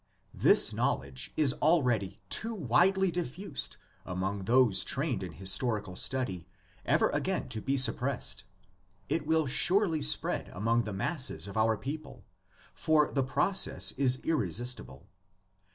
This knowledge is already too widely diffused among those trained in historical study ever again to be suppressed. It will surely spread among the masses of our people, for the process is irresistible.